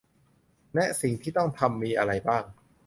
แนะสิ่งที่ต้องทำมีอะไรบ้าง